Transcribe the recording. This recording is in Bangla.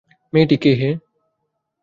মেয়েটি কে হে!